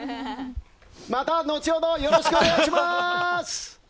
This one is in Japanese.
また後ほどよろしくお願いします。